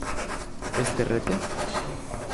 Este rete??